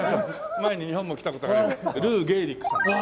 前に日本も来た事があるルー・ゲーリッグさんです。